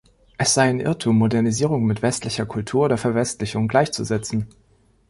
Es sei ein Irrtum, Modernisierung mit westlicher Kultur oder Verwestlichung gleichzusetzen.